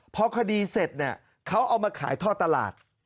พอคดีเสร็จเนี่ยเขาเอามาขายท่อตลาด